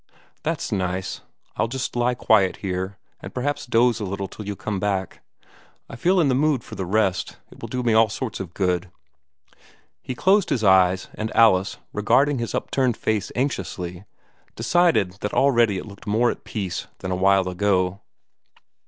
"That's nice! I'll just lie quiet here, and perhaps doze a little till you come back. I feel in the mood for the rest; it will do me all sorts of good." He closed his eyes; and Alice, regarding his upturned face anxiously, decided that already it looked more at peace than awhile ago.